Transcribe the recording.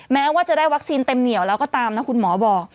แม้ว่าจะได้วัคซีนเต็มเหนียวแล้วก็ตามนะคุณหมอบอก